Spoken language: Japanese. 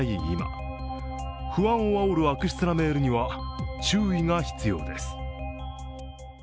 今不安をあおる悪質なメールには注意が必要です。